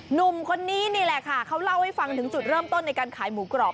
หนุ่มคนนี้นี่แหละค่ะเขาเล่าให้ฟังถึงจุดเริ่มต้นในการขายหมูกรอบ